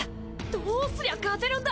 どうすりゃ勝てるんだ！？